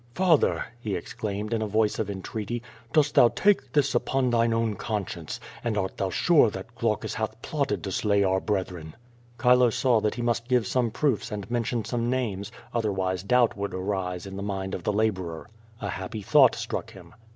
"Father!" he exclaimed, in a voice of entreaty, "dost thou take this upon thine own conscience, and art thou sure that Glaucus hath plotted to slay our brethren?" Chilo saw that he must give some proofs and mention some names, otherwise doubt would arise in the mind of the laborer. A happy thought struck him.